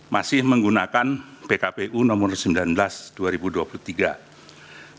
masih menggunakan pkpu nomor sembilan belas tahun